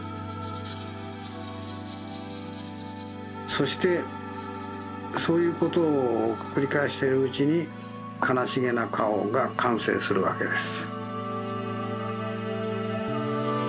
そしてそういうことをくりかえしているうちにかなしげなかおがかんせいするわけです。